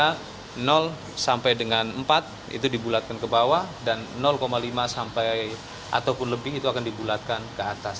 karena sampai dengan empat itu dibulatkan ke bawah dan lima sampai ataupun lebih itu akan dibulatkan ke atas